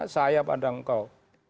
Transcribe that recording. saya pada engkau